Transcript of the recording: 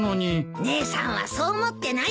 姉さんはそう思ってないよ。